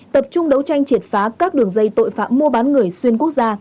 tập trung đấu tranh triệt phá các đường dây tội phạm mua bán người xuyên quốc gia